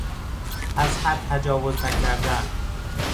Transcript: از حد تجاوز نکردن